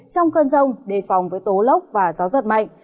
trong cơn rông đề phòng với tố lốc và gió giật mạnh